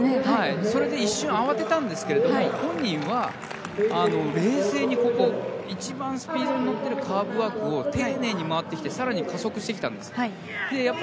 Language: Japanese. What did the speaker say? それで一瞬慌てたんですけど本人は冷静に一番スピードに乗っているカーブワークを丁寧に回って更に加速したんです。